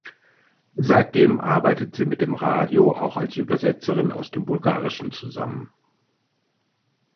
Seitdem arbeitet sie mit dem Radio auch als Übersetzerin aus dem Bulgarischen zusammen.